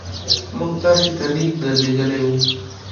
موږ تاسي ته لیک درلېږلی وو.